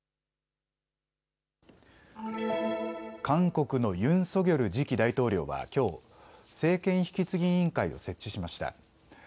韓国のユン・ソギョル次期大統領はきょう政権引き継ぎ委員会を設置しました。